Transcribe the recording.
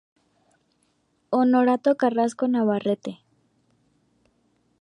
Honorato Carrasco Navarrete.